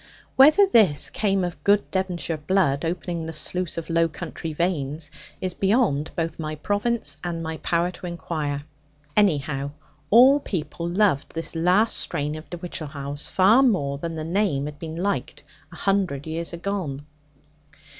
Whether this came of good Devonshire blood opening the sluice of Low Country veins, is beyond both my province and my power to inquire. Anyhow, all people loved this last strain of De Whichehalse far more than the name had been liked a hundred years agone.